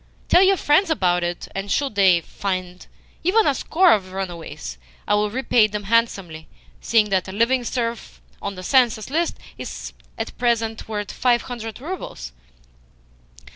Tell your friends about it, and, should they find even a score of the runaways, it will repay them handsomely, seeing that a living serf on the census list is at present worth five hundred roubles."